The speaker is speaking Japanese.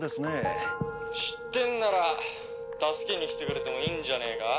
「知ってんなら助けに来てくれてもいいんじゃねえか？」